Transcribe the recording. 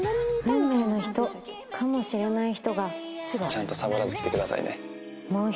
ちゃんとサボらず来てくださいね。